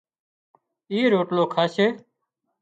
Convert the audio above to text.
اِي روٽلو کاشي